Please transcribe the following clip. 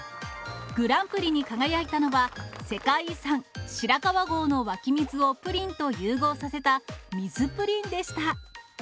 グランプリに輝いたのは、世界遺産、白川郷の湧き水をプリンと融合させた、水ぷりんでした。